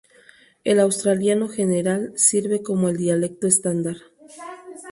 El australiano general sirve como el dialecto estándar.